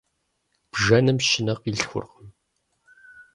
Бжэным щынэ къилъхуркъым.